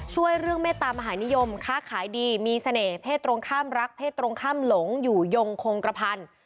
ช่วยเรื่องเมตตามหานิยมค้าขายดีมีเสน่หเพศตรงข้ามรักเศษตรงข้ามหลงอยู่ยงคงกระพันธุ์